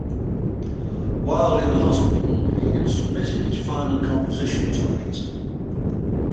While in the hospital, he had submitted his final composition to Ellington.